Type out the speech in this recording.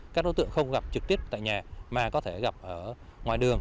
các đối tượng không gặp trực tiếp tại nhà mà có thể gặp ở ngoài đường